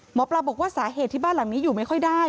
หมอปลาบอกว่าสาเหตุที่บ้านหลังนี้อยู่ไม่ค่อยได้